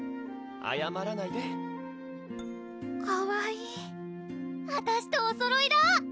あやまらないでかわいいあたしとおそろいだ！